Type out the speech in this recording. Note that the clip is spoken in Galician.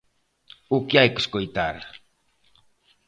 ¡O que hai que escoitar!